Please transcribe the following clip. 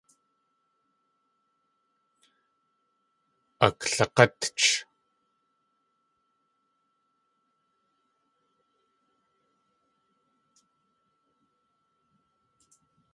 Aklag̲átch.